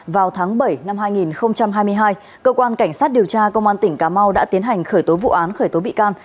vào tháng bảy năm hai nghìn hai mươi hai cơ quan cảnh sát điều tra công an tỉnh cà mau đã tiến hành khởi tố vụ án khởi tố bị can